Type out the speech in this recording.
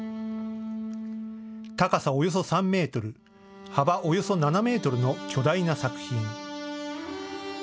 高さおよそ３メートル、幅およそ７メートルの巨大な作品。